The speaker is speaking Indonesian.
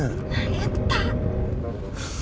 nah liat pak